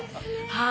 はい。